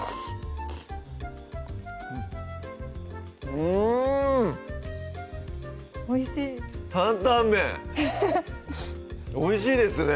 うんおいしい「担々麺」おいしいですね！